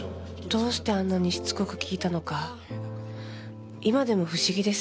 どうしてあんなにしつこく聞いたのか今でも不思議です。